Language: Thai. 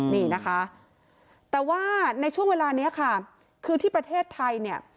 นี่นะคะแต่ว่าในช่วงเวลานี้ค่ะคือที่ประเทศไทยเนี่ย